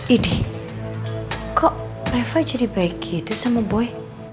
ini kok reva jadi baik gitu sama boy